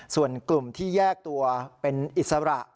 ส่วนกลุ่มที่แยกตัวเป็นอิสระ